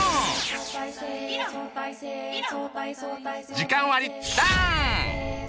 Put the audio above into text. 時間割りダン！